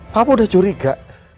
papa udah curiga